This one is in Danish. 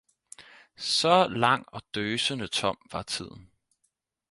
Saa lang og døsende tom var tiden